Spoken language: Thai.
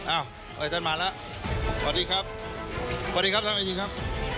เอ้าท่านมาแล้วสวัสดีครับสวัสดีครับท่านอาชินครับ